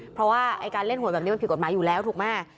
เพราะว่าการเล่นหวยแบบนี้มันผิดกฎหมายอยู่แล้วถูกไหม